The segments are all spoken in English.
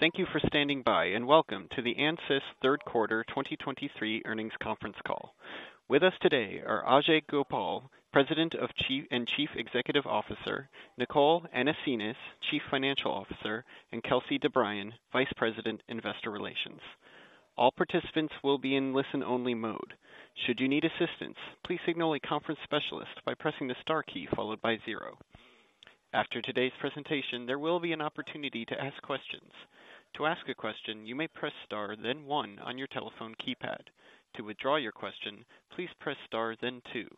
Thank you for standing by, and welcome to the Ansys third quarter 2023 earnings conference call. With us today are Ajei Gopal, President and Chief Executive Officer, Nicole Anasenes, Chief Financial Officer, and Kelsey DeBriyn, Vice President, Investor Relations. All participants will be in listen-only mode. Should you need assistance, please signal a conference specialist by pressing the star key followed by zero. After today's presentation, there will be an opportunity to ask questions. To ask a question, you may press Star, then one on your telephone keypad. To withdraw your question, please press Star, then two.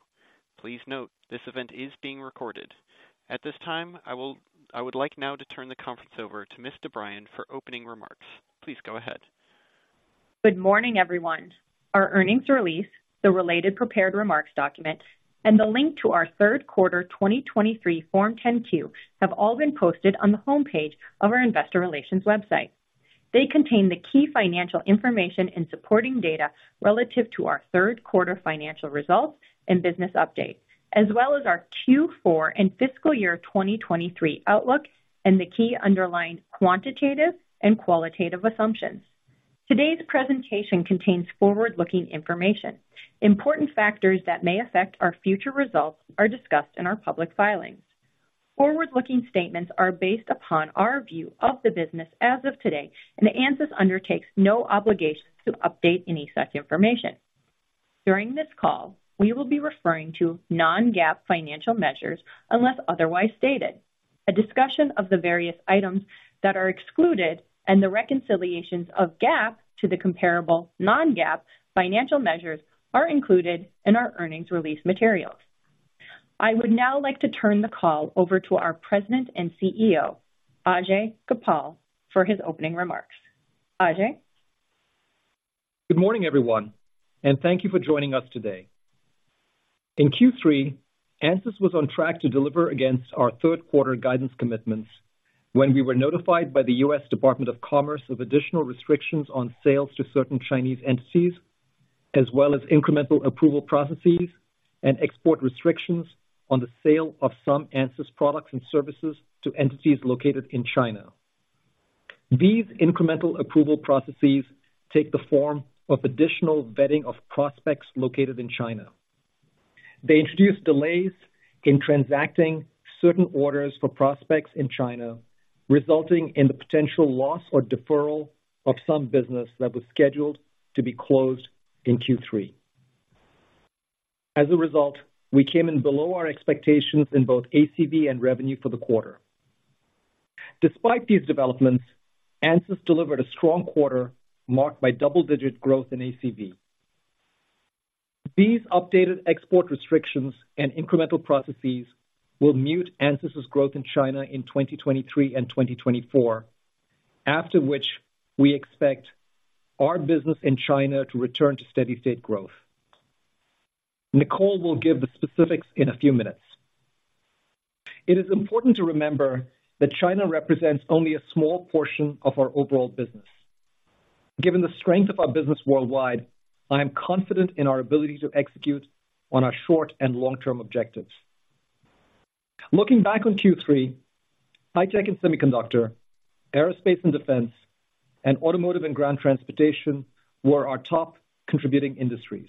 Please note, this event is being recorded. At this time, I would like now to turn the conference over to Miss DeBriyn for opening remarks. Please go ahead. Good morning, everyone. Our earnings release, the related prepared remarks document, and the link to our third quarter 2023 Form 10-Q, have all been posted on the homepage of our investor relations website. They contain the key financial information and supporting data relative to our third quarter financial results and business update, as well as our Q4 and fiscal year 2023 outlook and the key underlying quantitative and qualitative assumptions. Today's presentation contains forward-looking information. Important factors that may affect our future results are discussed in our public filings. Forward-looking statements are based upon our view of the business as of today, and Ansys undertakes no obligation to update any such information. During this call, we will be referring to non-GAAP financial measures, unless otherwise stated. A discussion of the various items that are excluded and the reconciliations of GAAP to the comparable non-GAAP financial measures are included in our earnings release materials. I would now like to turn the call over to our President and CEO, Ajei Gopal, for his opening remarks. Ajei? Good morning, everyone, and thank you for joining us today. In Q3, Ansys was on track to deliver against our third quarter guidance commitments when we were notified by the U.S. Department of Commerce of additional restrictions on sales to certain Chinese entities, as well as incremental approval processes and export restrictions on the sale of some Ansys products and services to entities located in China. These incremental approval processes take the form of additional vetting of prospects located in China. They introduce delays in transacting certain orders for prospects in China, resulting in the potential loss or deferral of some business that was scheduled to be closed in Q3. As a result, we came in below our expectations in both ACV and revenue for the quarter. Despite these developments, Ansys delivered a strong quarter, marked by double-digit growth in ACV. These updated export restrictions and incremental processes will mute Ansys's growth in China in 2023 and 2024, after which we expect our business in China to return to steady state growth. Nicole will give the specifics in a few minutes. It is important to remember that China represents only a small portion of our overall business. Given the strength of our business worldwide, I am confident in our ability to execute on our short and long-term objectives. Looking back on Q3, high-tech and semiconductor, aerospace and defense, and automotive and ground transportation were our top contributing industries.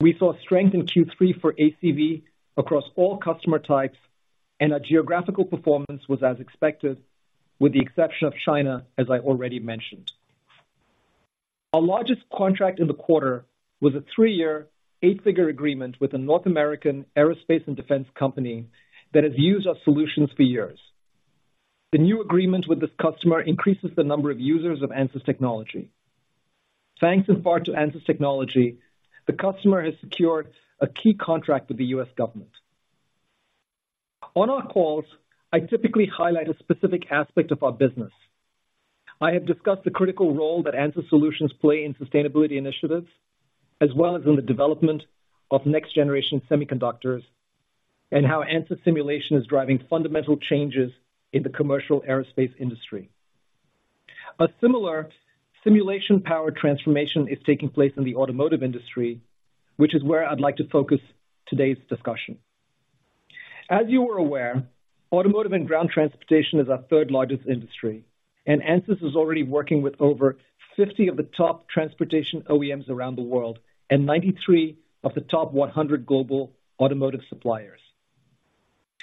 We saw strength in Q3 for ACV across all customer types, and our geographical performance was as expected, with the exception of China, as I already mentioned. Our largest contract in the quarter was a 3-year, eight-figure agreement with a North American aerospace and defense company that has used our solutions for years. The new agreement with this customer increases the number of users of Ansys technology. Thanks in part to Ansys technology, the customer has secured a key contract with the U.S. government. On our calls, I typically highlight a specific aspect of our business. I have discussed the critical role that Ansys solutions play in sustainability initiatives, as well as in the development of next-generation semiconductors, and how Ansys simulation is driving fundamental changes in the commercial aerospace industry. A similar simulation-powered transformation is taking place in the automotive industry, which is where I'd like to focus today's discussion. As you are aware, automotive and ground transportation is our third-largest industry, and Ansys is already working with over 50 of the top transportation OEMs around the world and 93 of the top 100 global automotive suppliers.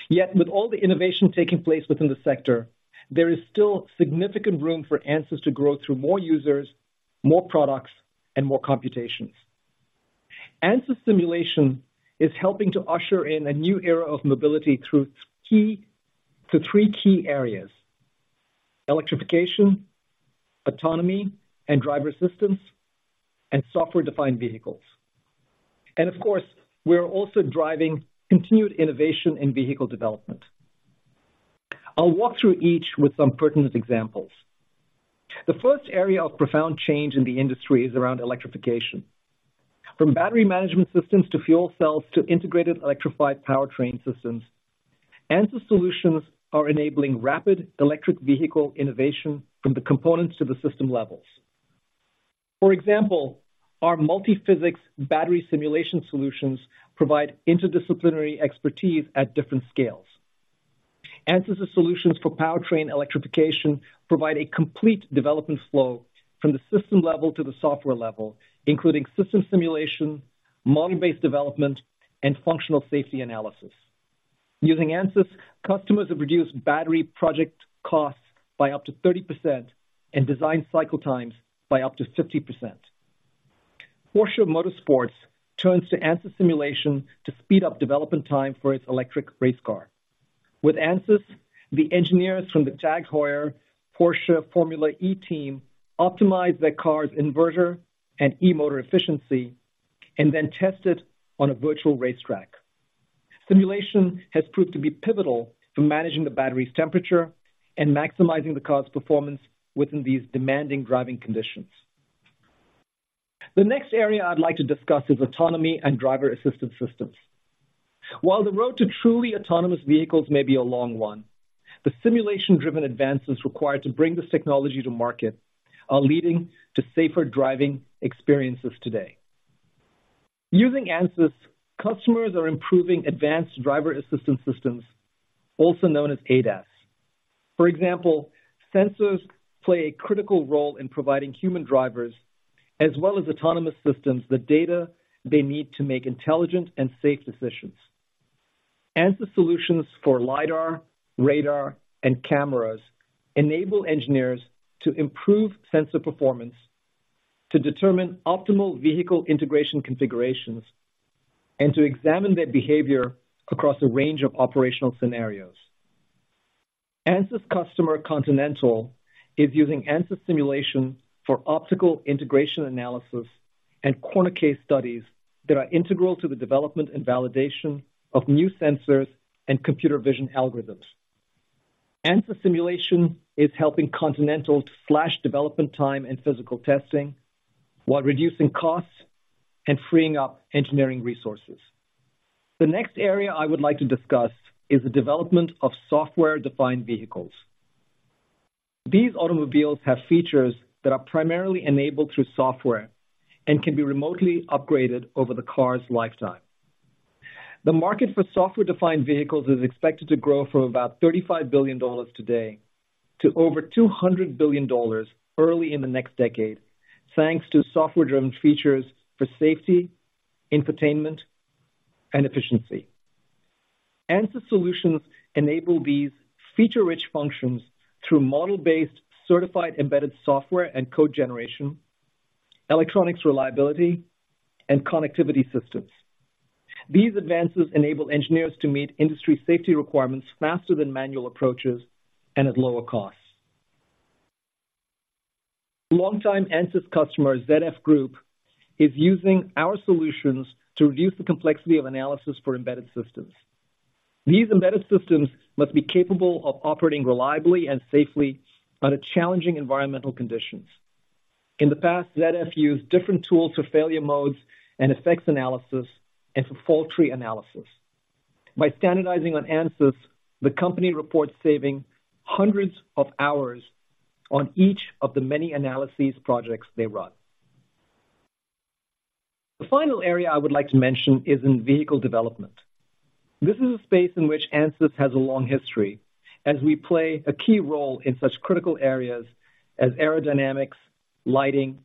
Yet with all the innovation taking place within the sector, there is still significant room for Ansys to grow through more users, more products, and more computations. Ansys simulation is helping to usher in a new era of mobility through three key areas: electrification, autonomy and driver assistance, and software-defined vehicles. Of course, we are also driving continued innovation in vehicle development. I'll walk through each with some pertinent examples. The first area of profound change in the industry is around electrification. From battery management systems to fuel cells to integrated electrified powertrain systems, Ansys solutions are enabling rapid electric vehicle innovation from the components to the system levels. For example, our multiphysics battery simulation solutions provide interdisciplinary expertise at different scales. Ansys solutions for powertrain electrification provide a complete development flow from the system level to the software level, including system simulation, model-based development, and functional safety analysis. Using Ansys, customers have reduced battery project costs by up to 30% and design cycle times by up to 50%. Porsche Motorsport turns to Ansys simulation to speed up development time for its electric race car. With Ansys, the engineers from the TAG Heuer Porsche Formula E Team optimize their car's inverter and e-motor efficiency and then test it on a virtual racetrack. Simulation has proved to be pivotal for managing the battery's temperature and maximizing the car's performance within these demanding driving conditions. The next area I'd like to discuss is autonomy and driver-assistance systems. While the road to truly autonomous vehicles may be a long one, the simulation-driven advances required to bring this technology to market are leading to safer driving experiences today. Using Ansys, customers are improving advanced driver-assistance systems, also known as ADAS. For example, sensors play a critical role in providing human drivers, as well as autonomous systems, the data they need to make intelligent and safe decisions. Ansys solutions for Lidar, Radar, and cameras enable engineers to improve sensor performance, to determine optimal vehicle integration configurations, and to examine their behavior across a range of operational scenarios. Ansys customer, Continental, is using Ansys simulation for optical integration analysis and corner case studies that are integral to the development and validation of new sensors and computer vision algorithms. Ansys simulation is helping Continental to slash development time and physical testing, while reducing costs and freeing up engineering resources. The next area I would like to discuss is the development of software-defined vehicles. These automobiles have features that are primarily enabled through software and can be remotely upgraded over the car's lifetime. The market for software-defined vehicles is expected to grow from about $35 billion today to over $200 billion early in the next decade, thanks to software-driven features for safety, infotainment, and efficiency. Ansys solutions enable these feature-rich functions through model-based, certified embedded software and code generation, electronics reliability, and connectivity systems. These advances enable engineers to meet industry safety requirements faster than manual approaches and at lower costs. Long-time Ansys customer, ZF Group, is using our solutions to reduce the complexity of analysis for embedded systems. These embedded systems must be capable of operating reliably and safely under challenging environmental conditions. In the past, ZF used different tools for failure modes and effects analysis and for fault tree analysis. By standardizing on Ansys, the company reports saving hundreds of hours on each of the many analysis projects they run. The final area I would like to mention is in vehicle development. This is a space in which Ansys has a long history, as we play a key role in such critical areas as aerodynamics, lighting,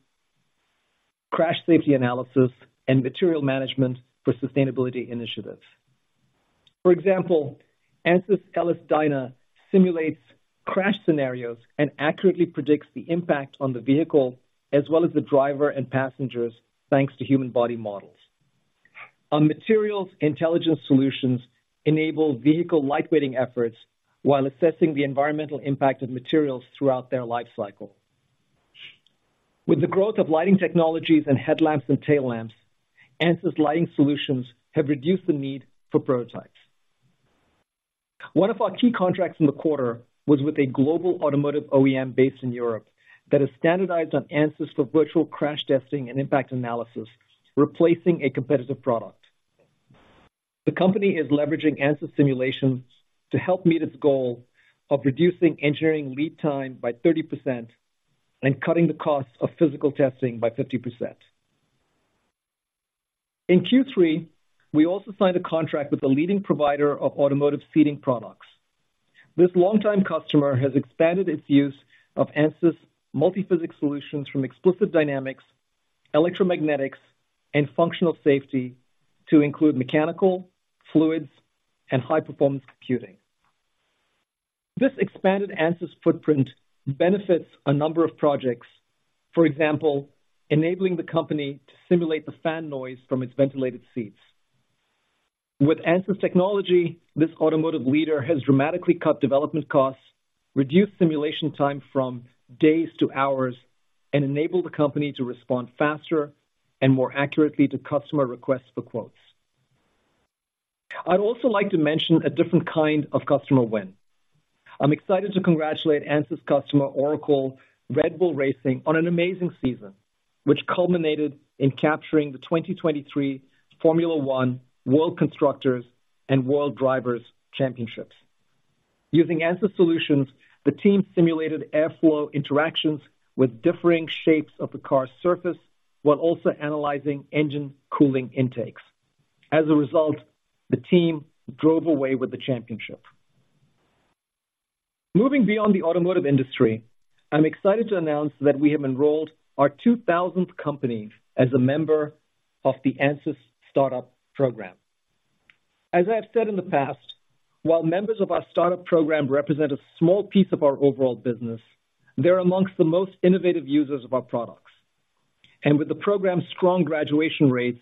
crash safety analysis, and material management for sustainability initiatives. For example, Ansys LS-DYNA simulates crash scenarios and accurately predicts the impact on the vehicle, as well as the driver and passengers, thanks to human body models. Our materials intelligence solutions enable vehicle lightweighting efforts while assessing the environmental impact of materials throughout their life cycle. With the growth of lighting technologies and headlamps and tail lamps, Ansys lighting solutions have reduced the need for prototypes. One of our key contracts in the quarter was with a global automotive OEM based in Europe that has standardized on Ansys for virtual crash testing and impact analysis, replacing a competitive product. The company is leveraging Ansys simulation to help meet its goal of reducing engineering lead time by 30% and cutting the costs of physical testing by 50%. In Q3, we also signed a contract with a leading provider of automotive seating products. This longtime customer has expanded its use of Ansys Multiphysics solutions from explicit dynamics, electromagnetics, and functional safety to include mechanical, fluids, and high-performance computing. This expanded Ansys footprint benefits a number of projects. For example, enabling the company to simulate the fan noise from its ventilated seats. With Ansys technology, this automotive leader has dramatically cut development costs, reduced simulation time from days to hours, and enabled the company to respond faster and more accurately to customer requests for quotes. I'd also like to mention a different kind of customer win. I'm excited to congratulate Ansys customer, Oracle Red Bull Racing, on an amazing season, which culminated in capturing the 2023 Formula One World Constructors and World Drivers Championships. Using Ansys solutions, the team simulated airflow interactions with differing shapes of the car's surface, while also analyzing engine cooling intakes. As a result, the team drove away with the championship. Moving beyond the automotive industry, I'm excited to announce that we have enrolled our 2,000th company as a member of the Ansys Startup Program. As I've said in the past, while members of our startup program represent a small piece of our overall business, they're amongst the most innovative users of our products. With the program's strong graduation rates,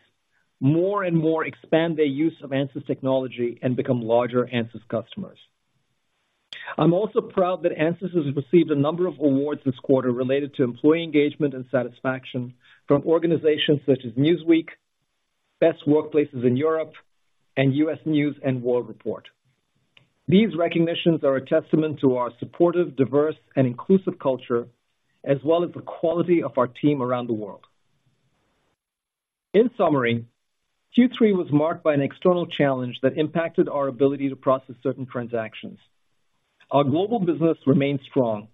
more and more expand their use of Ansys technology and become larger Ansys customers. I'm also proud that Ansys has received a number of awards this quarter related to employee engagement and satisfaction from organizations such as Newsweek, Best Workplaces in Europe, and US News & World Report. These recognitions are a testament to our supportive, diverse, and inclusive culture, as well as the quality of our team around the world. In summary, Q3 was marked by an external challenge that impacted our ability to process certain transactions. Our global business remains strong,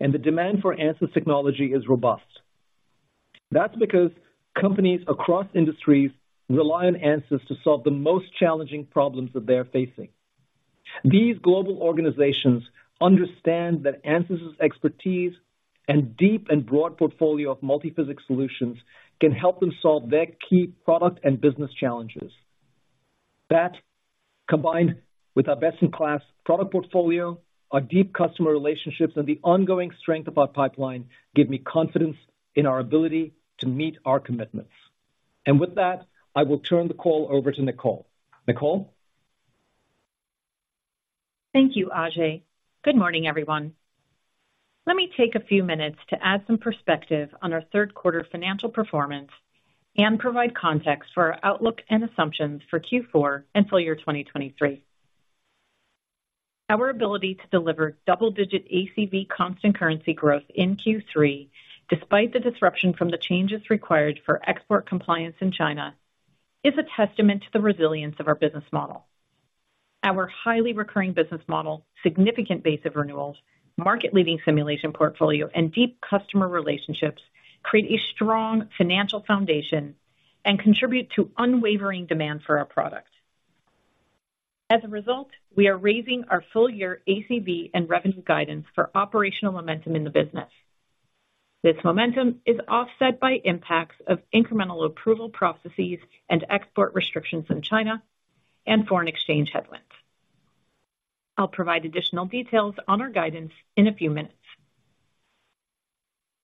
and the demand for Ansys technology is robust. That's because companies across industries rely on Ansys to solve the most challenging problems that they're facing. These global organizations understand that Ansys's expertise and deep and broad portfolio of multiphysics solutions can help them solve their key product and business challenges. That, combined with our best-in-class product portfolio, our deep customer relationships, and the ongoing strength of our pipeline, give me confidence in our ability to meet our commitments. And with that, I will turn the call over to Nicole. Nicole? Thank you, Ajei. Good morning, everyone. Let me take a few minutes to add some perspective on our third quarter financial performance and provide context for our outlook and assumptions for Q4 and full year 2023. Our ability to deliver double-digit ACV constant currency growth in Q3, despite the disruption from the changes required for export compliance in China, is a testament to the resilience of our business model. Our highly recurring business model, significant base of renewals, market-leading simulation portfolio, and deep customer relationships create a strong financial foundation and contribute to unwavering demand for our product. As a result, we are raising our full-year ACV and revenue guidance for operational momentum in the business. This momentum is offset by impacts of incremental approval processes and export restrictions in China and foreign exchange headwinds. I'll provide additional details on our guidance in a few minutes.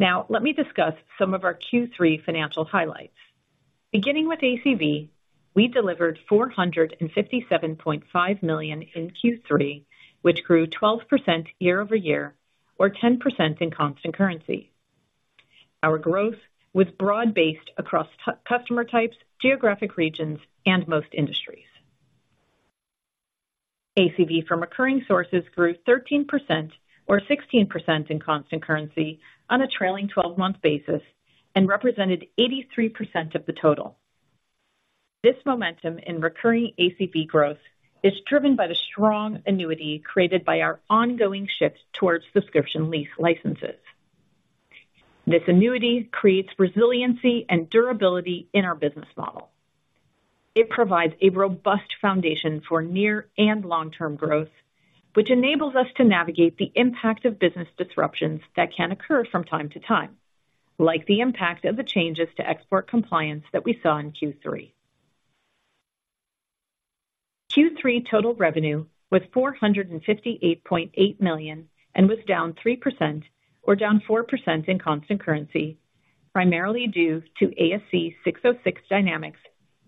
Now, let me discuss some of our Q3 financial highlights. Beginning with ACV, we delivered $457.5 million in Q3, which grew 12% year-over-year, or 10% in constant currency. Our growth was broad-based across customer types, geographic regions, and most industries. ACV from recurring sources grew 13%, or 16% in constant currency, on a trailing 12-month basis and represented 83% of the total. This momentum in recurring ACV growth is driven by the strong annuity created by our ongoing shift towards subscription lease licenses. This annuity creates resiliency and durability in our business model. It provides a robust foundation for near and long-term growth, which enables us to navigate the impact of business disruptions that can occur from time to time, like the impact of the changes to export compliance that we saw in Q3. Q3 total revenue was $458.8 million, and was down 3%, or down 4% in constant currency, primarily due to ASC 606 dynamics,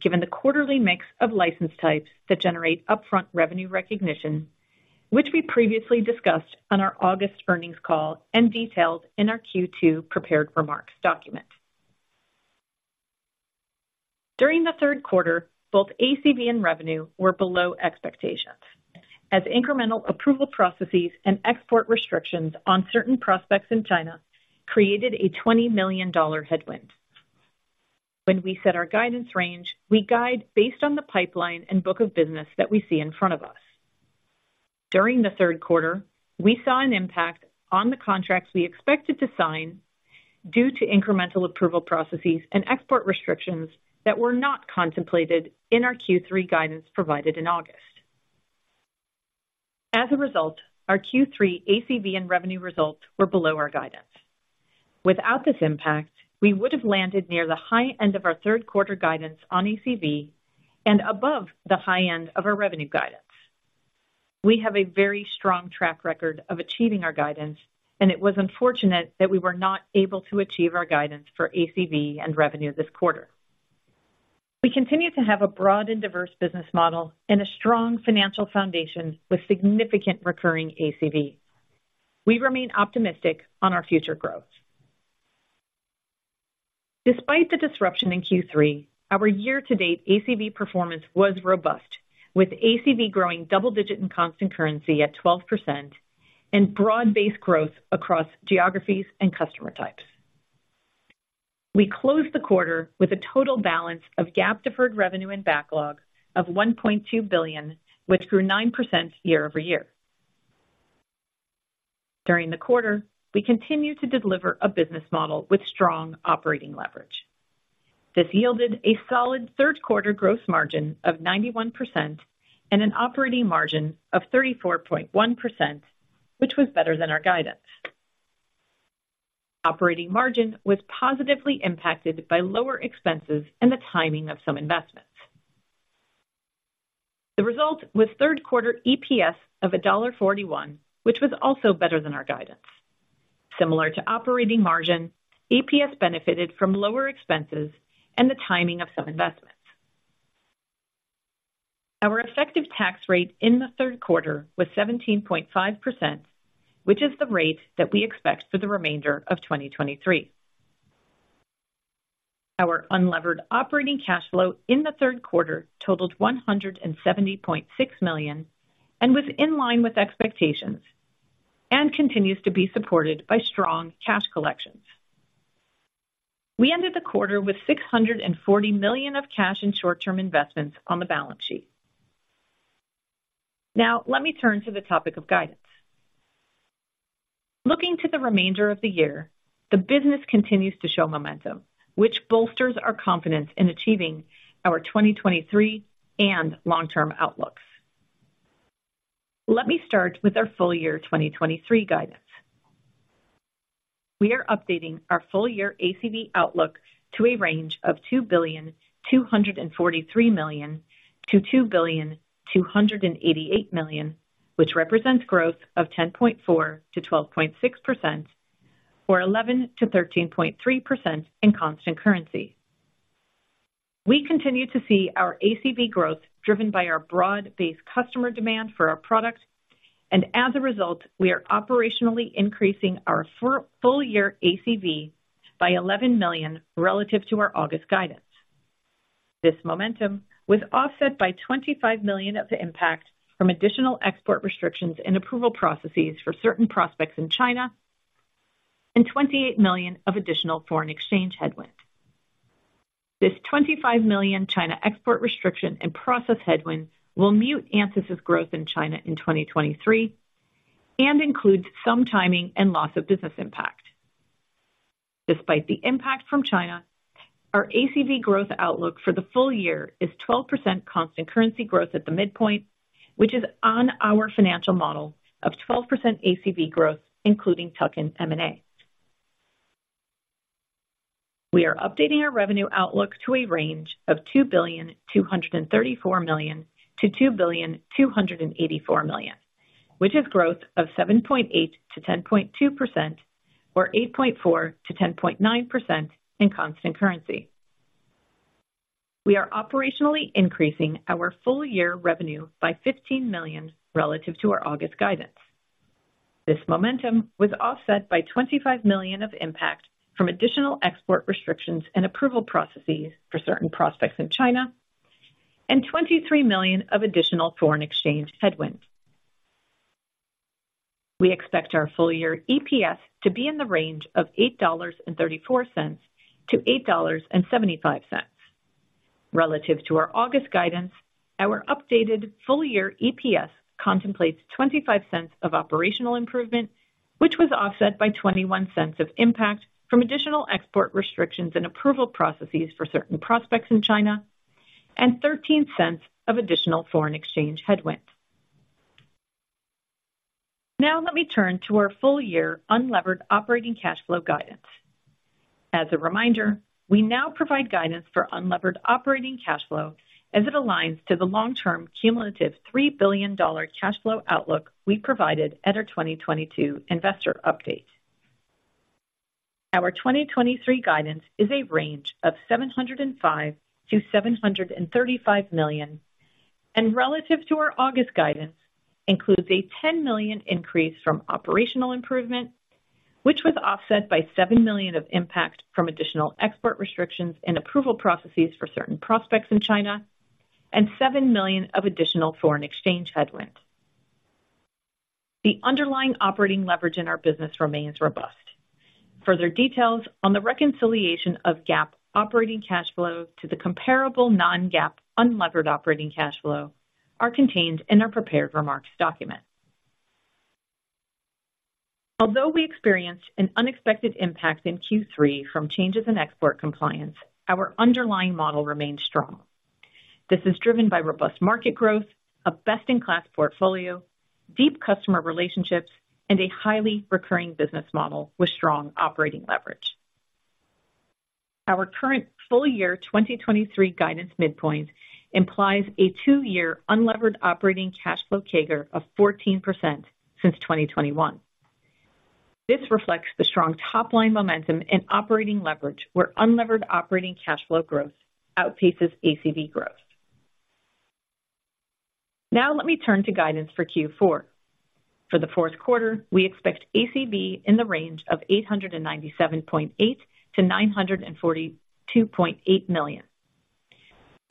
given the quarterly mix of license types that generate upfront revenue recognition, which we previously discussed on our August earnings call and detailed in our Q2 prepared remarks document. During the third quarter, both ACV and revenue were below expectations, as incremental approval processes and export restrictions on certain prospects in China created a $20 million headwind. When we set our guidance range, we guide based on the pipeline and book of business that we see in front of us. During the third quarter, we saw an impact on the contracts we expected to sign due to incremental approval processes and export restrictions that were not contemplated in our Q3 guidance provided in August. As a result, our Q3 ACV and revenue results were below our guidance. Without this impact, we would have landed near the high end of our third quarter guidance on ACV and above the high end of our revenue guidance. We have a very strong track record of achieving our guidance, and it was unfortunate that we were not able to achieve our guidance for ACV and revenue this quarter. We continue to have a broad and diverse business model and a strong financial foundation with significant recurring ACV. We remain optimistic on our future growth. Despite the disruption in Q3, our year-to-date ACV performance was robust, with ACV growing double-digit in constant currency at 12% and broad-based growth across geographies and customer types.... We closed the quarter with a total balance of GAAP deferred revenue and backlog of $1.2 billion, which grew 9% year-over-year. During the quarter, we continued to deliver a business model with strong operating leverage. This yielded a solid third quarter gross margin of 91% and an operating margin of 34.1%, which was better than our guidance. Operating margin was positively impacted by lower expenses and the timing of some investments. The result was third quarter EPS of $1.41, which was also better than our guidance. Similar to operating margin, EPS benefited from lower expenses and the timing of some investments. Our effective tax rate in the third quarter was 17.5%, which is the rate that we expect for the remainder of 2023. Our unlevered operating cash flow in the third quarter totaled $170.6 million, and was in line with expectations, and continues to be supported by strong cash collections. We ended the quarter with $640 million of cash and short-term investments on the balance sheet. Now, let me turn to the topic of guidance. Looking to the remainder of the year, the business continues to show momentum, which bolsters our confidence in achieving our 2023 and long-term outlooks. Let me start with our full-year 2023 guidance. We are updating our full-year ACV outlook to a range of $2.243 billion-$2.288 billion, which represents growth of 10.4%-12.6%, or 11%-13.3% in constant currency. We continue to see our ACV growth driven by our broad-based customer demand for our products, and as a result, we are operationally increasing our full year ACV by $11 million relative to our August guidance. This momentum was offset by $25 million of the impact from additional export restrictions and approval processes for certain prospects in China, and $28 million of additional foreign exchange headwinds. This $25 million China export restriction and process headwinds will mute Ansys's growth in China in 2023, and includes some timing and loss of business impact. Despite the impact from China, our ACV growth outlook for the full year is 12% constant currency growth at the midpoint, which is on our financial model of 12% ACV growth, including tuck-in M&A. We are updating our revenue outlook to a range of $2.234 billion-$2.284 billion, which is growth of 7.8%-10.2%, or 8.4%-10.9% in constant currency. We are operationally increasing our full year revenue by $15 million relative to our August guidance. This momentum was offset by $25 million of impact from additional export restrictions and approval processes for certain prospects in China, and $23 million of additional foreign exchange headwinds. We expect our full year EPS to be in the range of $8.34-$8.75. Relative to our August guidance, our updated full year EPS contemplates $0.25 of operational improvement, which was offset by $0.21 of impact from additional export restrictions and approval processes for certain prospects in China, and $0.13 of additional foreign exchange headwinds. Now, let me turn to our full year unlevered operating cash flow guidance. As a reminder, we now provide guidance for unlevered operating cash flow as it aligns to the long-term cumulative $3 billion cash flow outlook we provided at our 2022 investor update. Our 2023 guidance is a range of $705 million-$735 million, and relative to our August guidance, includes a $10 million increase from operational improvement, which was offset by $7 million of impact from additional export restrictions and approval processes for certain prospects in China, and $7 million of additional foreign exchange headwinds. The underlying operating leverage in our business remains robust. Further details on the reconciliation of GAAP operating cash flow to the comparable non-GAAP unlevered operating cash flow are contained in our prepared remarks document. Although we experienced an unexpected impact in Q3 from changes in export compliance, our underlying model remains strong. This is driven by robust market growth, a best-in-class portfolio, deep customer relationships, and a highly recurring business model with strong operating leverage. Our current full year 2023 guidance midpoint implies a two-year unlevered operating cash flow CAGR of 14% since 2021. This reflects the strong top-line momentum and operating leverage, where unlevered operating cash flow growth outpaces ACV growth. Now, let me turn to guidance for Q4. For the fourth quarter, we expect ACV in the range of $897.8 million-$942.8 million.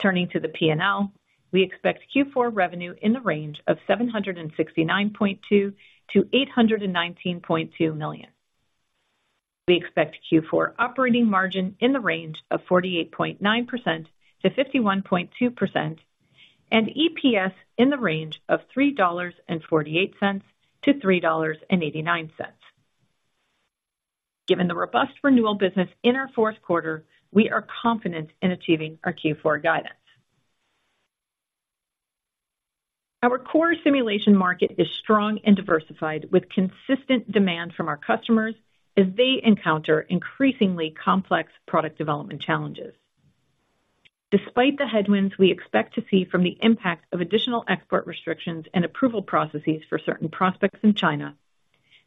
Turning to the P&L, we expect Q4 revenue in the range of $769.2 million-$819.2 million. We expect Q4 operating margin in the range of 48.9%-51.2%, and EPS in the range of $3.48-$3.89. Given the robust renewal business in our fourth quarter, we are confident in achieving our Q4 guidance. Our core simulation market is strong and diversified, with consistent demand from our customers as they encounter increasingly complex product development challenges. Despite the headwinds we expect to see from the impact of additional export restrictions and approval processes for certain prospects in China,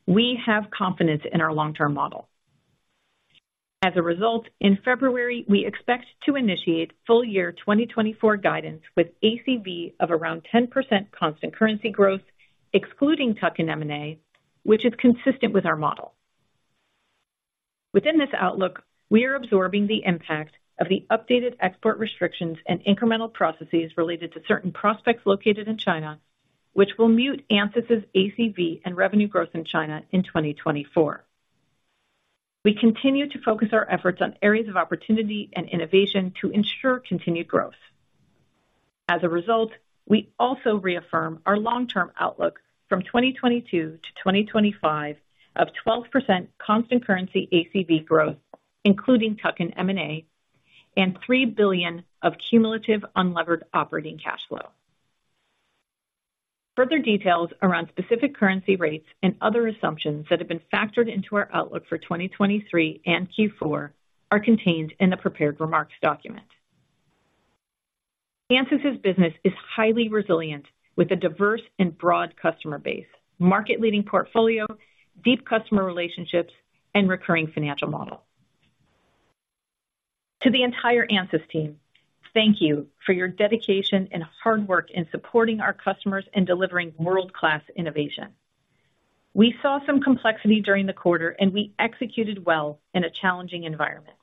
we have confidence in our long-term model. As a result, in February, we expect to initiate full year 2024 guidance with ACV of around 10% constant currency growth, excluding tuck-in M&A, which is consistent with our model. Within this outlook, we are absorbing the impact of the updated export restrictions and incremental processes related to certain prospects located in China, which will mute Ansys' ACV and revenue growth in China in 2024. We continue to focus our efforts on areas of opportunity and innovation to ensure continued growth. As a result, we also reaffirm our long-term outlook from 2022 to 2025 of 12% constant currency ACV growth, including tuck-in M&A, and $3 billion of cumulative unlevered operating cash flow. Further details around specific currency rates and other assumptions that have been factored into our outlook for 2023 and Q4 are contained in the prepared remarks document. Ansys' business is highly resilient, with a diverse and broad customer base, market-leading portfolio, deep customer relationships, and recurring financial model. To the entire Ansys team, thank you for your dedication and hard work in supporting our customers and delivering world-class innovation. We saw some complexity during the quarter, and we executed well in a challenging environment.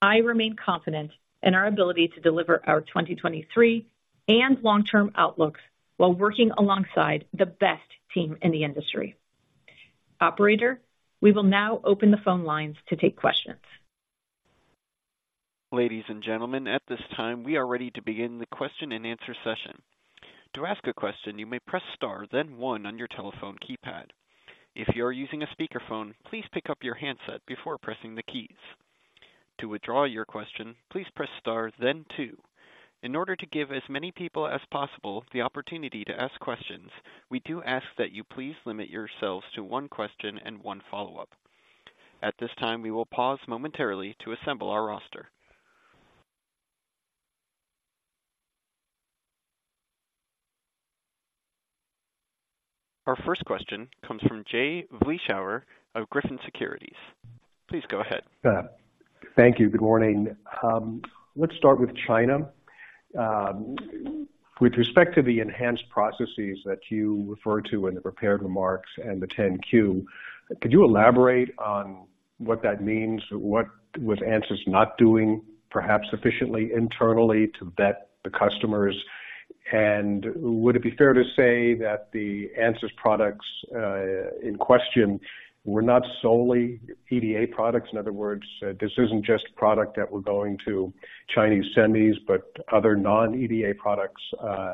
I remain confident in our ability to deliver our 2023 and long-term outlooks while working alongside the best team in the industry. Operator, we will now open the phone lines to take questions. Ladies and gentlemen, at this time, we are ready to begin the question-and-answer session. To ask a question, you may press star, then one on your telephone keypad. If you are using a speakerphone, please pick up your handset before pressing the keys. To withdraw your question, please press star then two. In order to give as many people as possible the opportunity to ask questions, we do ask that you please limit yourselves to one question and one follow-up. At this time, we will pause momentarily to assemble our roster. Our first question comes from Jay Vleeschhouwer of Griffin Securities. Please go ahead. Thank you. Good morning. Let's start with China. With respect to the enhanced processes that you refer to in the prepared remarks and the 10-Q, could you elaborate on what that means? What was Ansys not doing, perhaps sufficiently internally, to vet the customers? And would it be fair to say that the Ansys products in question were not solely EDA products? In other words, this isn't just product that we're going to Chinese semis, but other non-EDA products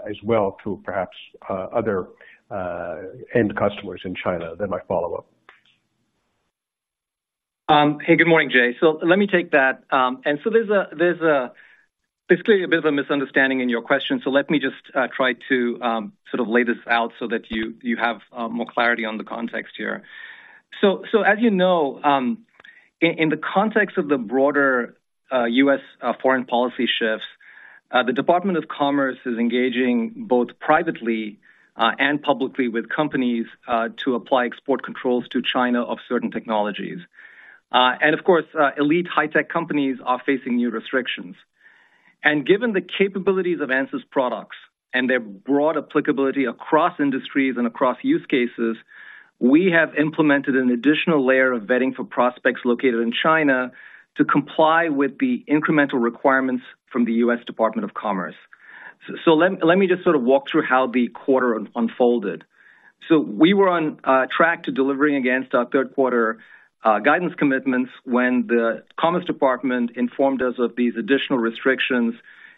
as well, to perhaps other end customers in China. That's my follow-up. Hey, good morning, Jay. So let me take that. There's clearly a bit of a misunderstanding in your question, so let me just try to sort of lay this out so that you have more clarity on the context here. So as you know, in the context of the broader U.S. foreign policy shifts, the Department of Commerce is engaging both privately and publicly with companies to apply export controls to China of certain technologies. Of course, elite high tech companies are facing new restrictions. And given the capabilities of Ansys products and their broad applicability across industries and across use cases, we have implemented an additional layer of vetting for prospects located in China to comply with the incremental requirements from the U.S. Department of Commerce. So let me just sort of walk through how the quarter unfolded. So we were on track to delivering against our third quarter guidance commitments when the Commerce Department informed us of these additional restrictions,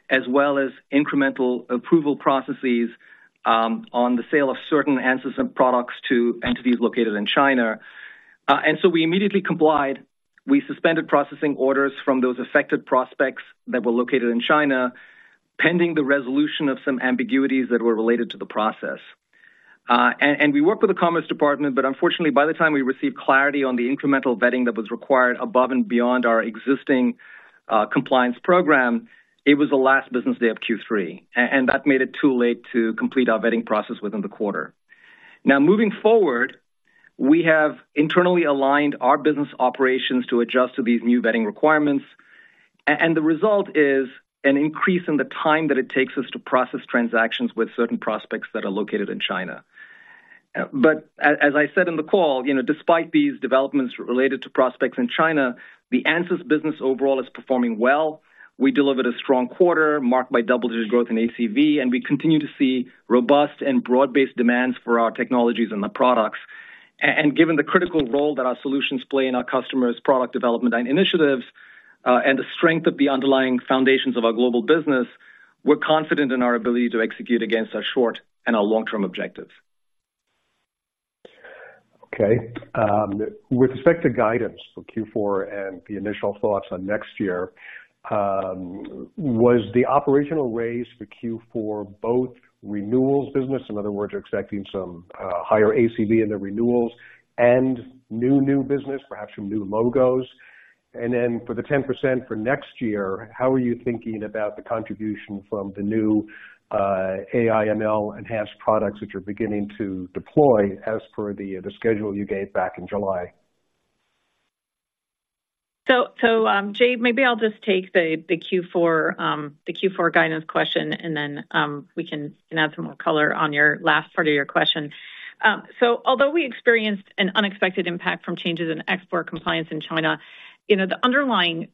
as well as incremental approval processes, on the sale of certain Ansys products to entities located in China. And so we immediately complied. We suspended processing orders from those affected prospects that were located in China, pending the resolution of some ambiguities that were related to the process. And we worked with the Commerce Department, but unfortunately, by the time we received clarity on the incremental vetting that was required above and beyond our existing compliance program, it was the last business day of Q3, and that made it too late to complete our vetting process within the quarter. Now, moving forward, we have internally aligned our business operations to adjust to these new vetting requirements, and the result is an increase in the time that it takes us to process transactions with certain prospects that are located in China. But as I said in the call, you know, despite these developments related to prospects in China, the Ansys business overall is performing well. We delivered a strong quarter, marked by double-digit growth in ACV, and we continue to see robust and broad-based demands for our technologies and the products. And given the critical role that our solutions play in our customers' product development and initiatives, and the strength of the underlying foundations of our global business, we're confident in our ability to execute against our short and our long-term objectives. Okay. With respect to guidance for Q4 and the initial thoughts on next year, was the operational raise for Q4, both renewals business, in other words, you're expecting some, higher ACV in the renewals and new, new business, perhaps some new logos? And then for the 10% for next year, how are you thinking about the contribution from the new, AI/ML enhanced products, which are beginning to deploy as per the, the schedule you gave back in July? So, Jay, maybe I'll just take the Q4 guidance question, and then we can add some more color on your last part of your question. So although we experienced an unexpected impact from changes in export compliance in China, you know, the underlying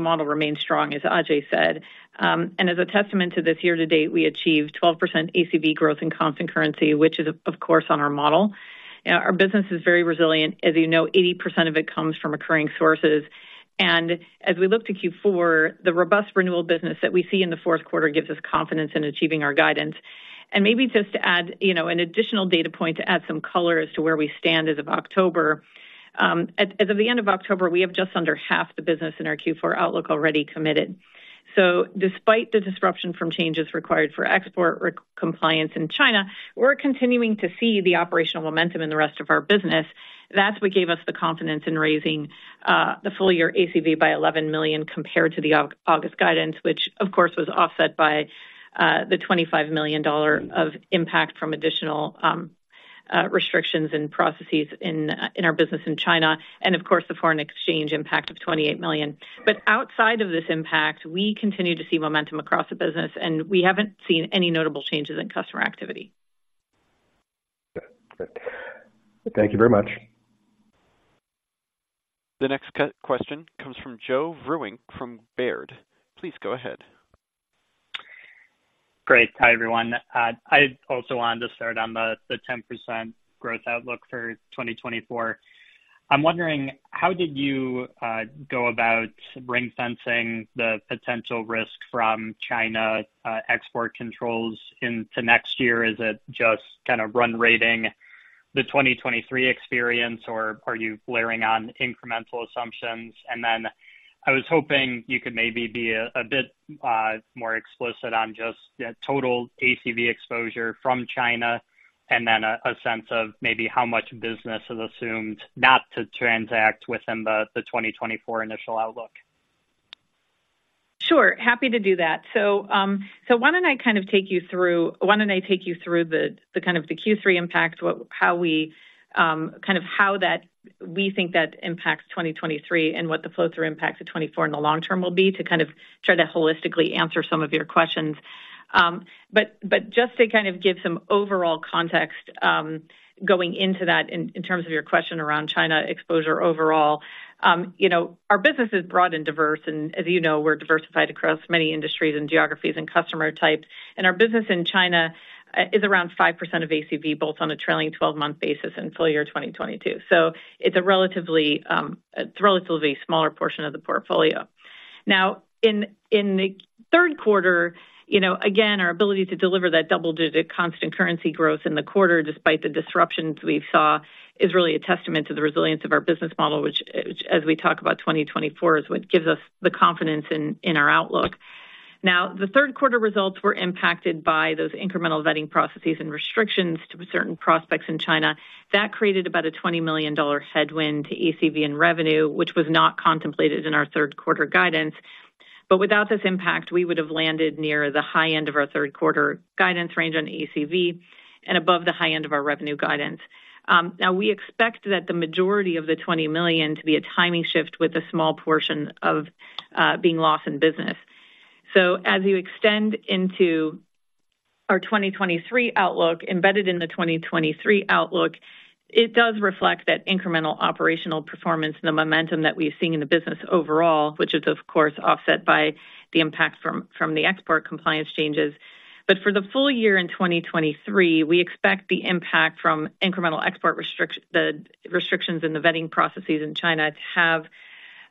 model remains strong, as Ajei said. And as a testament to this, year to date, we achieved 12% ACV growth in constant currency, which is, of course, on our model. Our business is very resilient. As you know, 80% of it comes from recurring sources. And as we look to Q4, the robust renewal business that we see in the fourth quarter gives us confidence in achieving our guidance. And maybe just to add, you know, an additional data point to add some color as to where we stand as of October. As of the end of October, we have just under half the business in our Q4 outlook already committed. So despite the disruption from changes required for export compliance in China, we're continuing to see the operational momentum in the rest of our business. That's what gave us the confidence in raising the full year ACV by $11 million compared to the August guidance, which of course, was offset by the $25 million of impact from additional restrictions and processes in our business in China, and of course, the foreign exchange impact of $28 million. But outside of this impact, we continue to see momentum across the business, and we haven't seen any notable changes in customer activity. Thank you very much. The next question comes from Joe Vruwink from Baird. Please go ahead. Great. Hi, everyone. I also wanted to start on the 10% growth outlook for 2024. I'm wondering, how did you go about ring-fencing the potential risk from China export controls into next year? Is it just kind of run rating the 2023 experience, or are you layering on incremental assumptions? And then I was hoping you could maybe be a bit more explicit on just the total ACV exposure from China, and then a sense of maybe how much business is assumed not to transact within the 2024 initial outlook. Sure, happy to do that. So, why don't I kind of take you through the Q3 impact, how we kind of think that impacts 2023, and what the flow-through impact to 2024 in the long term will be, to kind of try to holistically answer some of your questions. But just to kind of give some overall context, going into that, in terms of your question around China exposure overall. You know, our business is broad and diverse, and as you know, we're diversified across many industries and geographies and customer types. And our business in China is around 5% of ACV, both on a trailing twelve-month basis and full year 2022. So it's a relatively smaller portion of the portfolio. Now, in the third quarter, you know, again, our ability to deliver that double-digit constant currency growth in the quarter, despite the disruptions we saw, is really a testament to the resilience of our business model, which, as we talk about 2024, is what gives us the confidence in our outlook. Now, the third quarter results were impacted by those incremental vetting processes and restrictions to certain prospects in China. That created about a $20 million headwind to ACV in revenue, which was not contemplated in our third quarter guidance. But without this impact, we would have landed near the high end of our third quarter guidance range on ACV and above the high end of our revenue guidance. Now we expect that the majority of the $20 million to be a timing shift with a small portion of being lost in business. So as you extend into our 2023 outlook, embedded in the 2023 outlook, it does reflect that incremental operational performance and the momentum that we've seen in the business overall, which is, of course, offset by the impact from the export compliance changes. But for the full year in 2023, we expect the impact from incremental export the restrictions in the vetting processes in China to have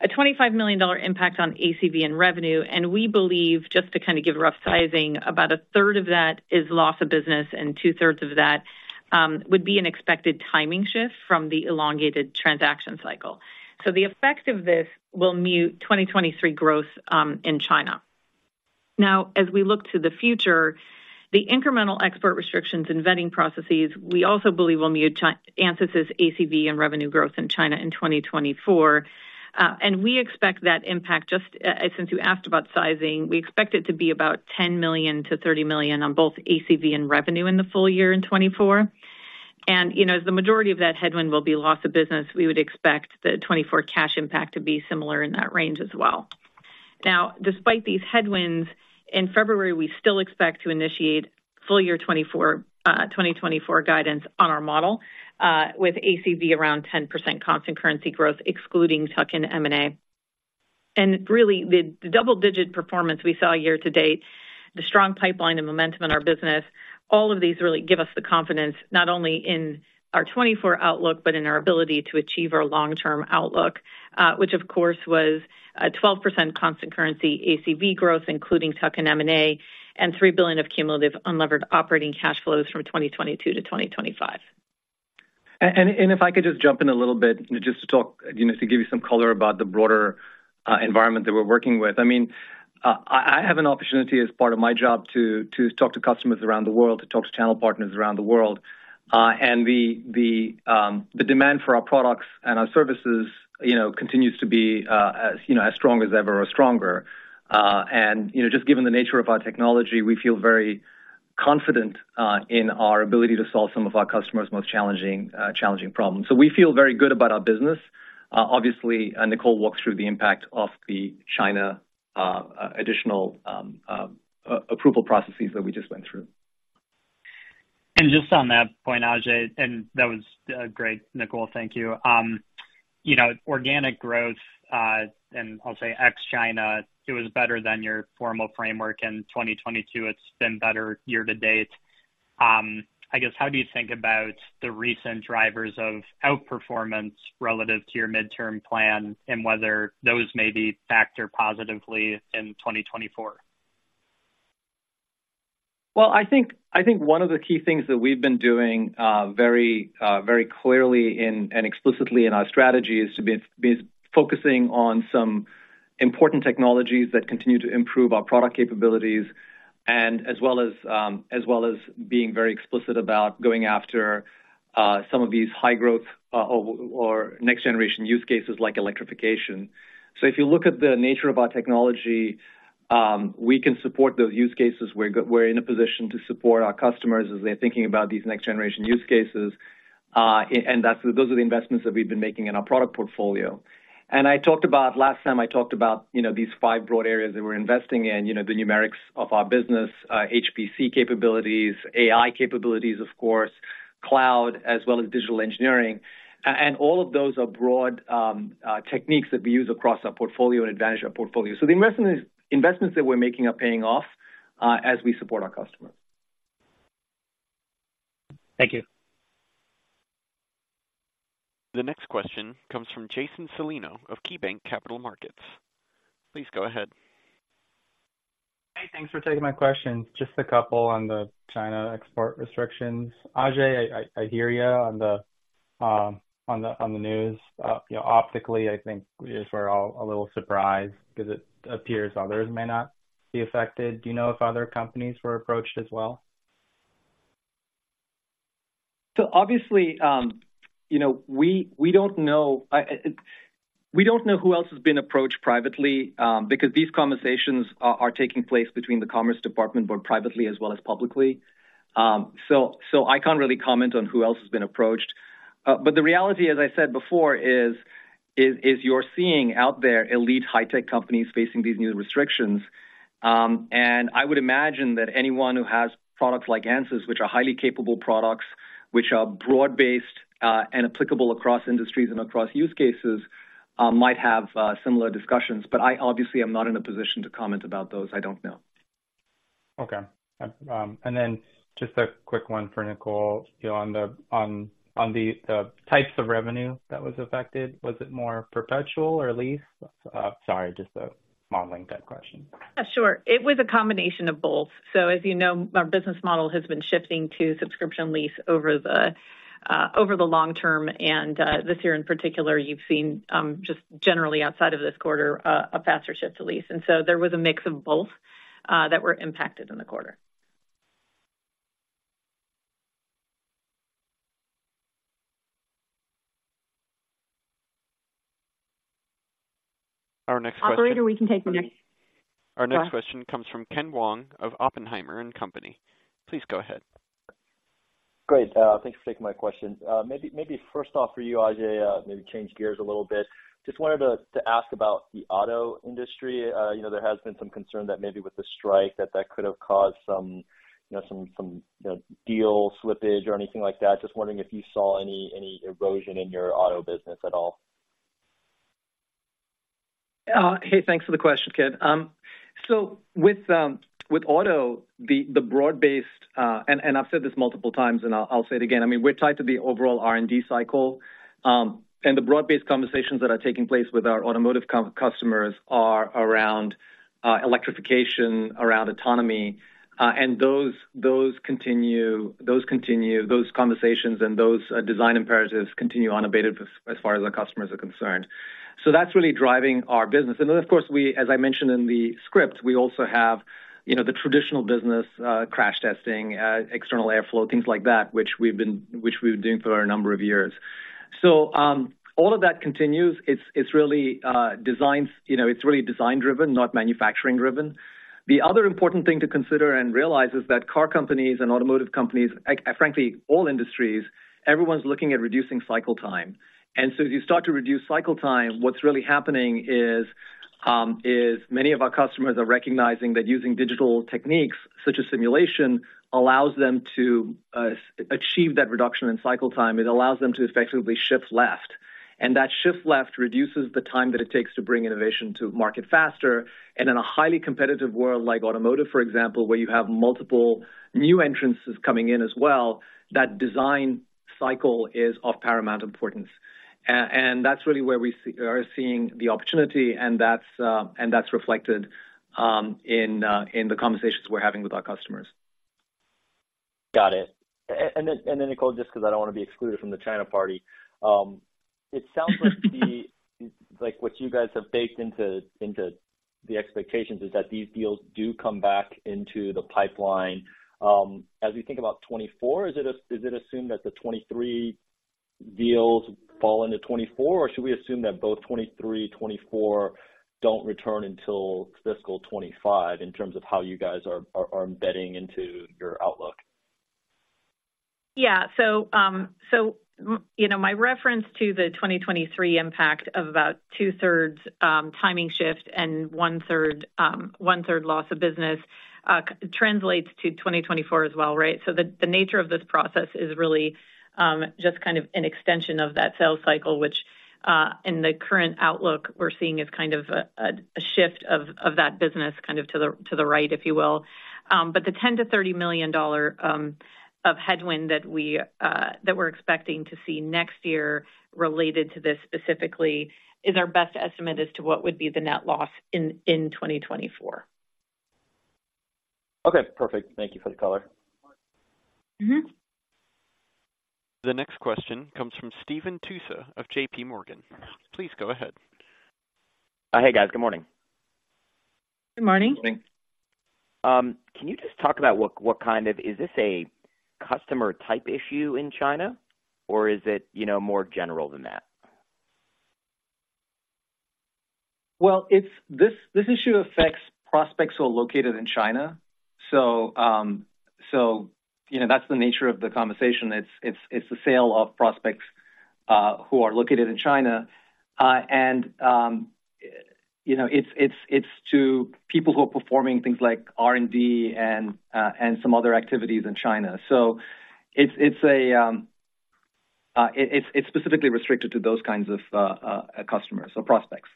a $25 million impact on ACV and revenue. And we believe, just to kind of give a rough sizing, about a third of that is loss of business, and two thirds of that would be an expected timing shift from the elongated transaction cycle. So the effect of this will mute 2023 growth in China. Now, as we look to the future, the incremental export restrictions and vetting processes, we also believe will mute China's ANSYS' ACV and revenue growth in China in 2024. And we expect that impact, just, since you asked about sizing, we expect it to be about $10 million-$30 million on both ACV and revenue in the full year in 2024. And, you know, as the majority of that headwind will be loss of business, we would expect the 2024 cash impact to be similar in that range as well. Now, despite these headwinds, in February, we still expect to initiate full year 2024 guidance on our model, with ACV around 10% constant currency growth, excluding tuck-in M&A. Really, the double-digit performance we saw year to date, the strong pipeline and momentum in our business, all of these really give us the confidence, not only in our 2024 outlook, but in our ability to achieve our long-term outlook, which of course, was a 12% constant currency ACV growth, including tuck-in M&A, and $3 billion of cumulative unlevered operating cash flows from 2022 to 2025. And if I could just jump in a little bit, just to talk, you know, to give you some color about the broader environment that we're working with. I mean, I have an opportunity as part of my job to talk to customers around the world, to talk to channel partners around the world. And the demand for our products and our services, you know, continues to be, as you know, as strong as ever or stronger. And, you know, just given the nature of our technology, we feel very confident in our ability to solve some of our customers' most challenging problems. So we feel very good about our business. Obviously, and Nicole walks through the impact of the China additional approval processes that we just went through. And just on that point, Ajei, and that was great, Nicole. Thank you. You know, organic growth, and I'll say ex China, it was better than your formal framework in 2022. It's been better year to date. I guess, how do you think about the recent drivers of outperformance relative to your midterm plan and whether those may be factored positively in 2024? Well, I think one of the key things that we've been doing very clearly and explicitly in our strategy is to be focusing on some important technologies that continue to improve our product capabilities, and as well as being very explicit about going after some of these high growth or next generation use cases like electrification. So if you look at the nature of our technology, we can support those use cases. We're in a position to support our customers as they're thinking about these next-generation use cases, and that's those are the investments that we've been making in our product portfolio. And I talked about, last time I talked about, you know, these five broad areas that we're investing in, you know, the numerics of our business, HPC capabilities, AI capabilities, of course, cloud, as well as digital engineering. And all of those are broad techniques that we use across our portfolio and advantage our portfolio. So the investment, investments that we're making are paying off, as we support our customers. Thank you. The next question comes from Jason Celino of KeyBanc Capital Markets. Please go ahead. Hey, thanks for taking my question. Just a couple on the China export restrictions. Ajei, I hear you on the news. You know, optically, I think we're all a little surprised because it appears others may not be affected. Do you know if other companies were approached as well? So obviously, you know, we don't know who else has been approached privately, because these conversations are taking place between the Commerce Department, both privately as well as publicly. So I can't really comment on who else has been approached. But the reality, as I said before, is you're seeing out there elite high-tech companies facing these new restrictions. And I would imagine that anyone who has products like Ansys, which are highly capable products, which are broad-based, and applicable across industries and across use cases, might have similar discussions. But I obviously am not in a position to comment about those. I don't know. Okay. And then just a quick one for Nicole. On the types of revenue that was affected, was it more perpetual or lease? Sorry, just a modeling type question. Sure. It was a combination of both. So as you know, our business model has been shifting to subscription lease over the long term, and this year in particular, you've seen just generally outside of this quarter a faster shift to lease. And so there was a mix of both that were impacted in the quarter. Our next question- Operator, we can take the next. Our next question comes from Ken Wong of Oppenheimer and Company. Please go ahead. Great, thanks for taking my question. Maybe, maybe first off for you, Ajei, maybe change gears a little bit. Just wanted to, to ask about the auto industry. You know, there has been some concern that maybe with the strike, that that could have caused some, you know, some, some, you know, deal slippage or anything like that. Just wondering if you saw any, any erosion in your auto business at all. Hey, thanks for the question, Ken. So with auto, the broad-based, and I've said this multiple times, and I'll say it again: I mean, we're tied to the overall R&D cycle. And the broad-based conversations that are taking place with our automotive customers are around electrification, around autonomy, and those continue, those conversations and those design imperatives continue unabated as far as our customers are concerned. So that's really driving our business. And then, of course, we, as I mentioned in the script, we also have, you know, the traditional business, crash testing, external airflow, things like that, which we've been doing for a number of years. So all of that continues. It's really design, you know, it's really design-driven, not manufacturing driven. The other important thing to consider and realize is that car companies and automotive companies, frankly, all industries, everyone's looking at reducing cycle time. And so as you start to reduce cycle time, what's really happening is many of our customers are recognizing that using digital techniques such as simulation allows them to achieve that reduction in cycle time. It allows them to effectively shift left, and that shift left reduces the time that it takes to bring innovation to market faster. And in a highly competitive world, like automotive, for example, where you have multiple new entrants coming in as well, that design cycle is of paramount importance. That's really where we are seeing the opportunity, and that's reflected in the conversations we're having with our customers. Got it. Then, Nicole, just because I don't want to be excluded from the China party. It sounds like the like, what you guys have baked into the expectations is that these deals do come back into the pipeline. As we think about 2024, is it assumed that the 2023 deals fall into 2024, or should we assume that both 2023, 2024 don't return until fiscal 2025 in terms of how you guys are embedding into your outlook? Yeah. So, you know, my reference to the 2023 impact of about two-thirds timing shift and one-third loss of business translates to 2024 as well, right? So the nature of this process is really just kind of an extension of that sales cycle, which in the current outlook, we're seeing is kind of a shift of that business to the right, if you will. But the $10 million-$30 million of headwind that we're expecting to see next year related to this specifically is our best estimate as to what would be the net loss in 2024. Okay, perfect. Thank you for the color. Mm-hmm. The next question comes from Steve Tusa of JPMorgan. Please go ahead. Hey, guys. Good morning. Good morning. Good morning. Can you just talk about what kind of— Is this a customer type issue in China, or is it, you know, more general than that? Well, this issue affects prospects who are located in China. So, you know, that's the nature of the conversation. It's the sale of prospects who are located in China. And, you know, it's to people who are performing things like R&D and some other activities in China. So it's specifically restricted to those kinds of customers or prospects.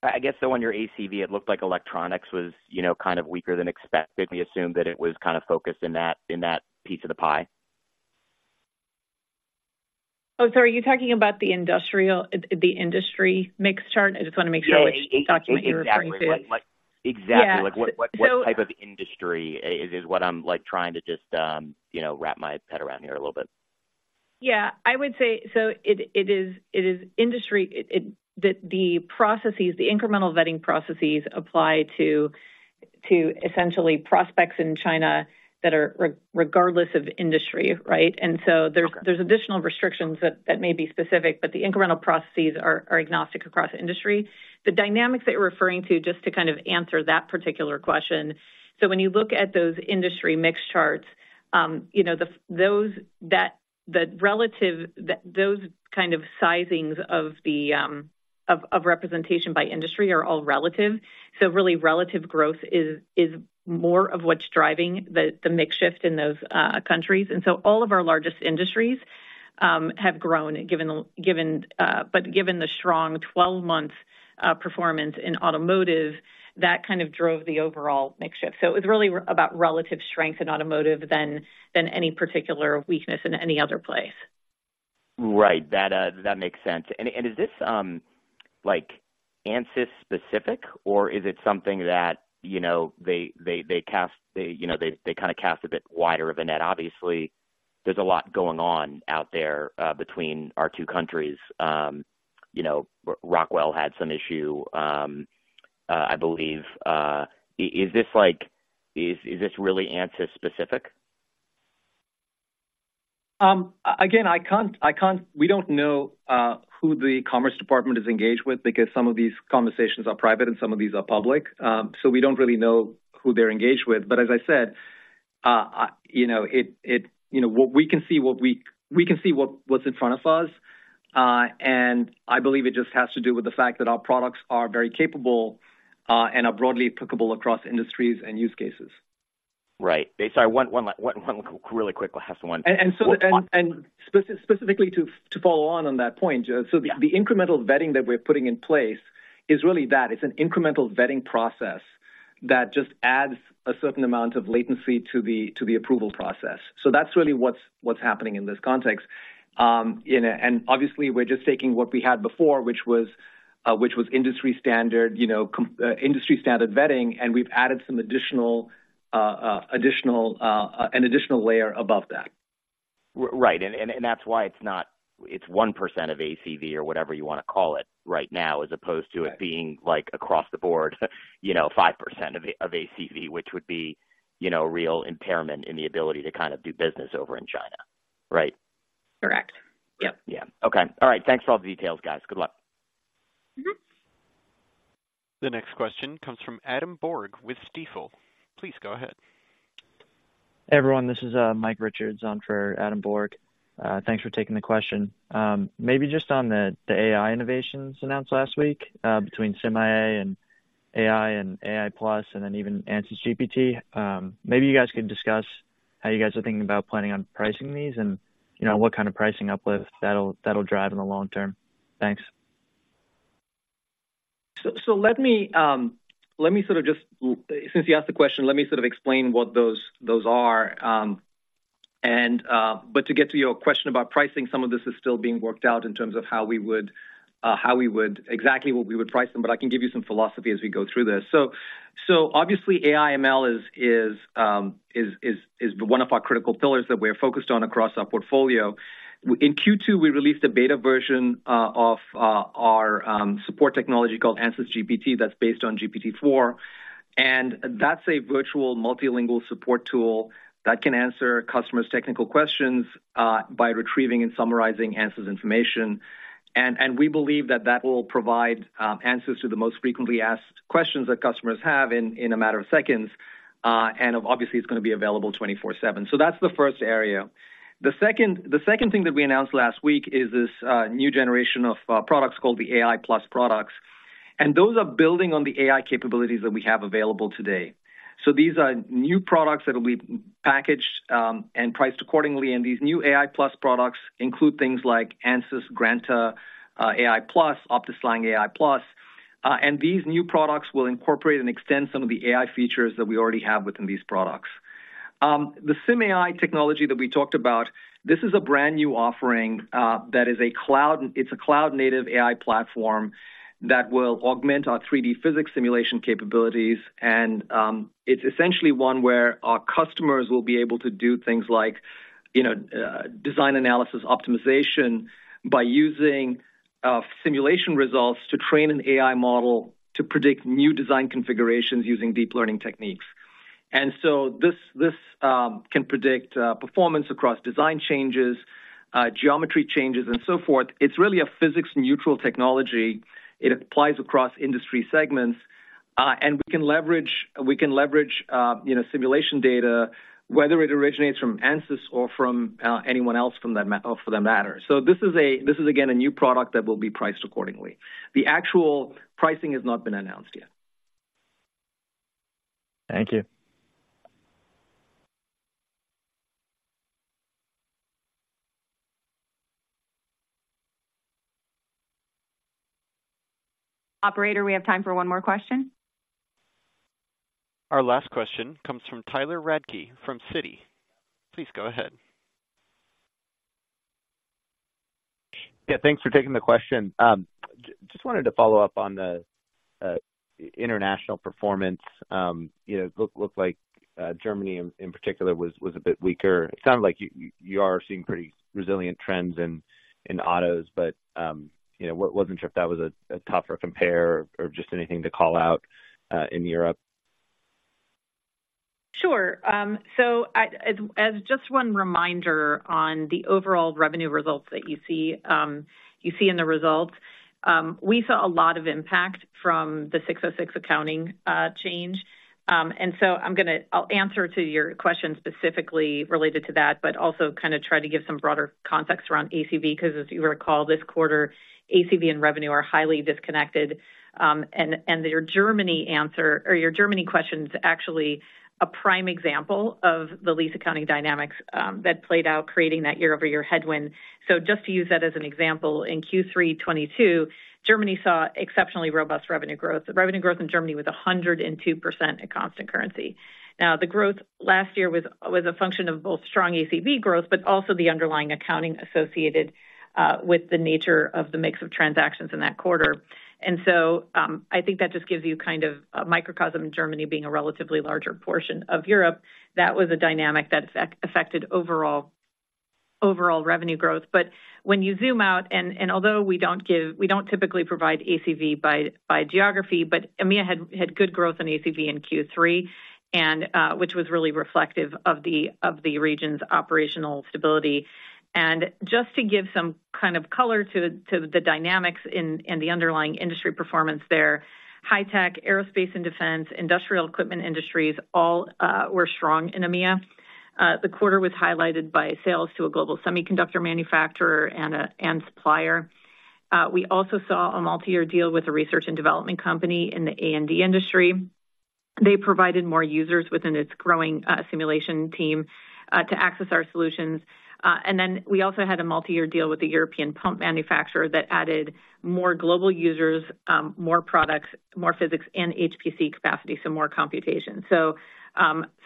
I guess, so on your ACV, it looked like electronics was, you know, kind of weaker than expected. We assumed that it was kind of focused in that, in that piece of the pie. Oh, sorry, are you talking about the industrial, the industry mix chart? I just want to make sure which document you're referring to. Exactly. Yeah. Like, what type of industry is what I'm, like, trying to just, you know, wrap my head around here a little bit. Yeah, I would say so. It is industry. It... The processes, the incremental vetting processes apply to essentially prospects in China that are regardless of industry, right? And so- Okay. There's additional restrictions that may be specific, but the incremental processes are agnostic across industry. The dynamics that you're referring to, just to kind of answer that particular question. So when you look at those industry mix charts, you know, those relative sizings of the representation by industry are all relative. So really, relative growth is more of what's driving the mix shift in those countries. And so all of our largest industries have grown, but given the strong twelve-month performance in automotive, that kind of drove the overall mix shift. So it was really about relative strength in automotive than any particular weakness in any other place. Right. That makes sense. And is this, like, Ansys specific, or is it something that, you know, they kind of cast a bit wider of a net? Obviously, there's a lot going on out there between our two countries. You know, Rockwell had some issue, I believe. Is this like, is this really Ansys specific? Again, I can't-- We don't know who the Commerce Department is engaged with because some of these conversations are private and some of these are public. So we don't really know who they're engaged with. But as I said, you know, it. You know, what we can see, what we can see what's in front of us. And I believe it just has to do with the fact that our products are very capable and are broadly applicable across industries and use cases. Right. Sorry, really quick last one. And so, specifically to follow on that point, Joe. Yeah. So the incremental vetting that we're putting in place is really that: it's an incremental vetting process that just adds a certain amount of latency to the approval process. So that's really what's happening in this context. You know, and obviously, we're just taking what we had before, which was industry standard, you know, industry standard vetting, and we've added some additional, additional, an additional layer above that. Right. And that's why it's not, it's 1% of ACV or whatever you wanna call it right now, as opposed to- Right... it being like across the board, you know, 5% of ACV, which would be, you know, a real impairment in the ability to kind of do business over in China. Right? Correct. Yep. Yeah. Okay. All right. Thanks for all the details, guys. Good luck.... The next question comes from Adam Borg with Stifel. Please go ahead. Hey, everyone, this is Mike Richards on for Adam Borg. Thanks for taking the question. Maybe just on the AI innovations announced last week, between SimAI and AI and AI+, and then even Ansys GPT. Maybe you guys could discuss how you guys are thinking about planning on pricing these, and, you know, what kind of pricing uplift that'll drive in the long term. Thanks. So let me sort of explain what those are, since you asked the question. But to get to your question about pricing, some of this is still being worked out in terms of exactly what we would price them, but I can give you some philosophy as we go through this. So obviously, AI ML is one of our critical pillars that we are focused on across our portfolio. In Q2, we released a beta version of our support technology called Ansys GPT. That's based on GPT-4, and that's a virtual multilingual support tool that can answer customers' technical questions by retrieving and summarizing Ansys information. We believe that that will provide answers to the most frequently asked questions that customers have in a matter of seconds. And obviously, it's going to be available 24/7. So that's the first area. The second thing that we announced last week is this new generation of products called the AI+ products, and those are building on the AI capabilities that we have available today. So these are new products that will be packaged and priced accordingly. And these new AI+ products include things like Ansys Granta AI+, optiSLang AI+. And these new products will incorporate and extend some of the AI features that we already have within these products. The SimAI technology that we talked about, this is a brand-new offering that is a cloud. It's a cloud-native AI platform that will augment our 3D physics simulation capabilities. And it's essentially one where our customers will be able to do things like, you know, design analysis optimization by using simulation results to train an AI model to predict new design configurations using deep learning techniques. And so this can predict performance across design changes, geometry changes, and so forth. It's really a physics-neutral technology. It applies across industry segments, and we can leverage, we can leverage, you know, simulation data, whether it originates from Ansys or from anyone else for that matter. So this is, this is, again, a new product that will be priced accordingly. The actual pricing has not been announced yet. Thank you. Operator, we have time for one more question. Our last question comes from Tyler Radke from Citi. Please go ahead. Yeah, thanks for taking the question. Just wanted to follow up on the international performance. You know, looked like Germany in particular was a bit weaker. It sounded like you are seeing pretty resilient trends in autos, but you know, wasn't sure if that was a tougher compare or just anything to call out in Europe. Sure. So, as just one reminder on the overall revenue results that you see, you see in the results, we saw a lot of impact from the ASC 606 accounting change. And so I'll answer to your question specifically related to that, but also kind of try to give some broader context around ACV, because as you recall, this quarter, ACV and revenue are highly disconnected. And your Germany answer or your Germany question is actually a prime example of the lease accounting dynamics that played out, creating that year-over-year headwind. So just to use that as an example, in Q3 2022, Germany saw exceptionally robust revenue growth. Revenue growth in Germany was 102% at constant currency. Now, the growth last year was a function of both strong ACV growth, but also the underlying accounting associated with the nature of the mix of transactions in that quarter. And so, I think that just gives you kind of a microcosm in Germany being a relatively larger portion of Europe. That was a dynamic that affected overall revenue growth. But when you zoom out, and although we don't give, we don't typically provide ACV by geography, but EMEA had good growth on ACV in Q3, and which was really reflective of the region's operational stability. And just to give some kind of color to the dynamics in, and the underlying industry performance there, high tech, aerospace and defense, industrial equipment industries, all were strong in EMEA. The quarter was highlighted by sales to a global semiconductor manufacturer and a supplier. We also saw a multi-year deal with a research and development company in the A&D industry. They provided more users within its growing simulation team to access our solutions. And then we also had a multi-year deal with the European pump manufacturer that added more global users, more products, more physics, and HPC capacity, so more computation. So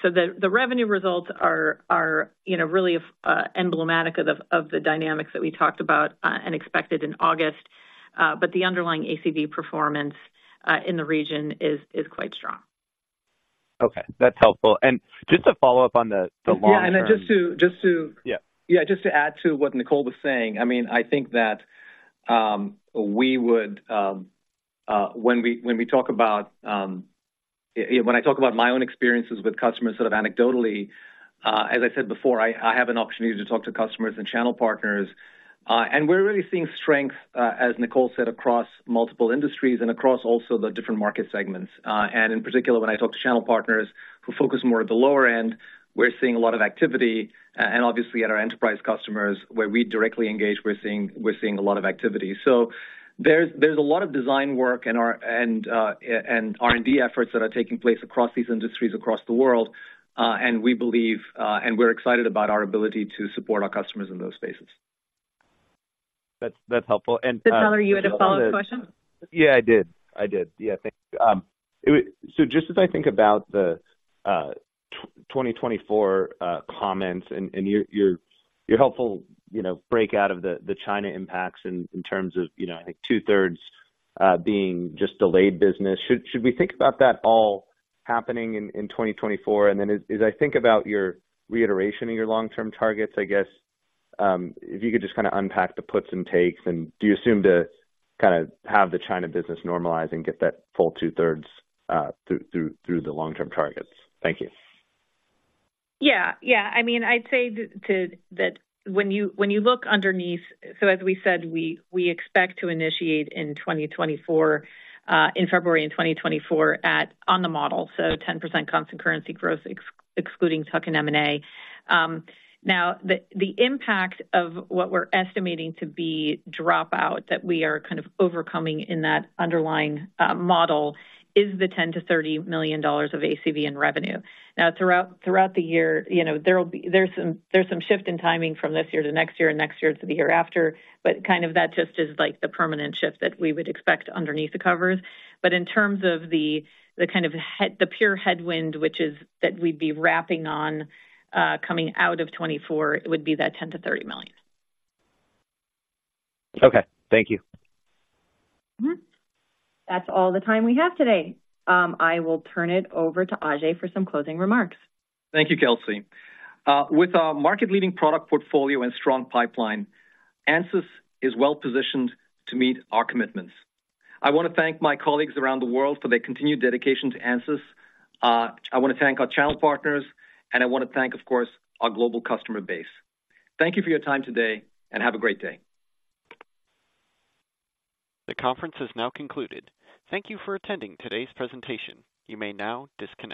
the revenue results are, you know, really emblematic of the dynamics that we talked about and expected in August. But the underlying ACV performance in the region is quite strong. Okay, that's helpful. And just to follow up on the long term- Yeah, and just to- Yeah. Yeah, just to add to what Nicole was saying, I mean, I think that when I talk about my own experiences with customers, sort of anecdotally, as I said before, I have an opportunity to talk to customers and channel partners. And we're really seeing strength, as Nicole said, across multiple industries and across also the different market segments. And in particular, when I talk to channel partners who focus more at the lower end, we're seeing a lot of activity. And obviously, at our enterprise customers, where we directly engage, we're seeing a lot of activity. So there's a lot of design work and R&D efforts that are taking place across these industries, across the world. We believe, and we're excited about our ability to support our customers in those spaces. That's helpful. And- Did Tyler, you had a follow-up question? Yeah, I did. I did. Yeah, thank you. So just as I think about the 2024 comments and your helpful, you know, breakout of the China impacts in terms of, you know, I think two-thirds being just delayed business. Should we think about that all happening in 2024? And then as I think about your reiteration of your long-term targets, I guess if you could just kind of unpack the puts and takes, and do you assume to kind of have the China business normalize and get that full two-thirds through the long-term targets? Thank you. Yeah. Yeah. I mean, I'd say to, to... That when you, when you look underneath—So as we said, we, we expect to initiate in 2024, in February in 2024, at, on the model, so 10% constant currency growth, excluding tuck-in M&A. Now, the, the impact of what we're estimating to be dropout, that we are kind of overcoming in that underlying, model, is the $10 million-$30 million of ACV and revenue. Now, throughout, throughout the year, you know, there will be—there's some, there's some shift in timing from this year to next year, and next year to the year after. But kind of that just is like the permanent shift that we would expect underneath the covers. But in terms of the kind of headwind, which is that we'd be wrapping on coming out of 2024, it would be that $10 million-$30 million. Okay, thank you. Mm-hmm. That's all the time we have today. I will turn it over to Ajei for some closing remarks. Thank you, Kelsey. With our market-leading product portfolio and strong pipeline, Ansys is well positioned to meet our commitments. I want to thank my colleagues around the world for their continued dedication to Ansys. I want to thank our channel partners, and I want to thank, of course, our global customer base. Thank you for your time today, and have a great day. The conference is now concluded. Thank you for attending today's presentation. You may now disconnect.